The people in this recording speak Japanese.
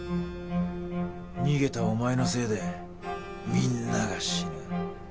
逃げたお前のせいでみんなが死ぬ。